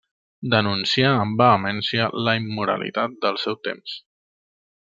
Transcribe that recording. Denuncià amb vehemència la immoralitat del seu temps.